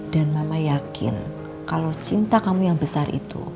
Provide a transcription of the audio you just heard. dan mama yakin kalau cinta kamu yang besar itu